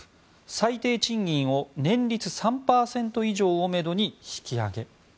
最低賃金を年率３％以上をめどに引き上げ。